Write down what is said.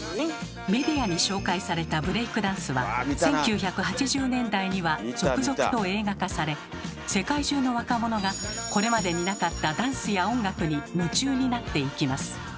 メディアに紹介されたブレイクダンスは１９８０年代には続々と映画化され世界中の若者がこれまでになかったダンスや音楽に夢中になっていきます。